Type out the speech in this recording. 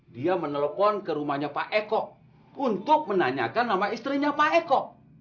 dia menelpon ke rumahnya pak eko untuk menanyakan nama istrinya pak eko